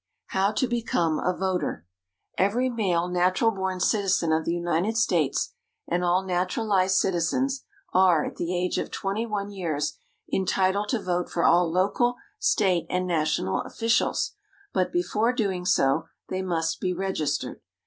=How to Become a Voter.= Every male natural born citizen of the United States, and all naturalized citizens, are, at the age of 21 years, entitled to vote for all local, State, and National officials; but before doing so, they must be registered.